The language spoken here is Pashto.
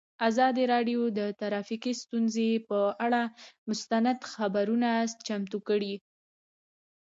ازادي راډیو د ټرافیکي ستونزې پر اړه مستند خپرونه چمتو کړې.